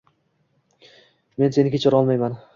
Men seni kechirolmayman